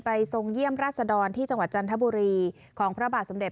ทรงเยี่ยมราชดรที่จังหวัดจันทบุรีของพระบาทสมเด็จ